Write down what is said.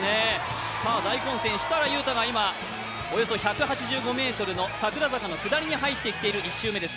大混戦、設楽悠太が今およそ１８５ｍの桜坂の下りに入ってきています、１周目です。